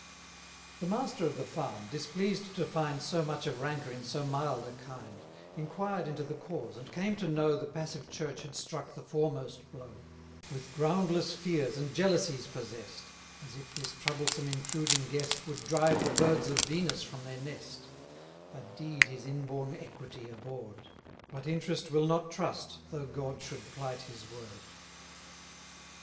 The master of the farm, displeased to find So much of rancour in so mild a kind, 1060 Enquired into the cause, and came to know, The passive Church had struck the foremost blow; With groundless fears and jealousies possess'd, As if this troublesome intruding guest Would drive the birds of Venus from their nest; A deed his inborn equity abhorr'd; But Interest will not trust, though God should plight his word.